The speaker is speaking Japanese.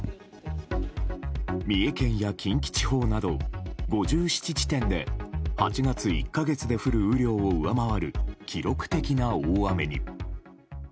三重県や近畿地方など５７地点で８月１か月で降る雨量を上回る記録的な大雨に。